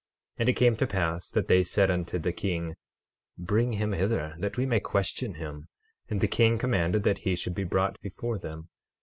12:18 And it came to pass that they said unto the king: Bring him hither that we may question him; and the king commanded that he should be brought before them.